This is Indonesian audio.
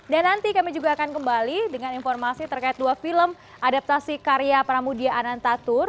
dan nanti kami juga akan kembali dengan informasi terkait dua film adaptasi karya pramudia anantathur